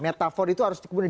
metafor itu harus dibuat